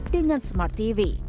dengan smart tv